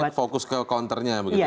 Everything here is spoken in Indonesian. lebih fokus ke counternya